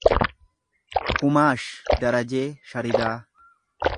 Kumaash Darajee Sharidaa